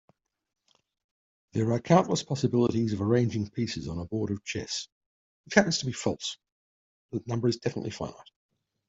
There are countless possibilities of arranging pieces on a board of chess.